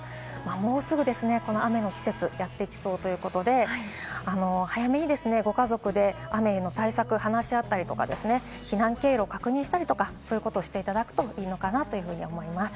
もうすぐ雨の季節がやってきそうということで、早めにご家族で雨への対策を話し合ったりとか、避難経路を確認したりとかしていただくといいのかなと思います。